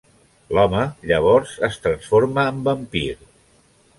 L'home llavors es transforma en vampir.